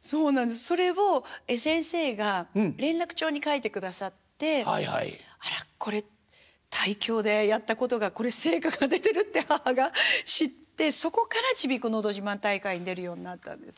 それを先生が連絡帳に書いてくださって「あらっこれ胎教でやったことが成果が出てる」って母が知ってそこからちびっこのど自慢大会に出るようになったんです。